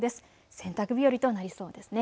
洗濯日和となりそうですね。